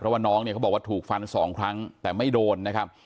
เพราะว่าน้องเนี่ยเขาบอกว่าถูกฟันสองครั้งแต่ไม่โดนนะครับ